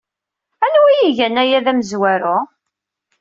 Anwa ay igan aya d amezwaru?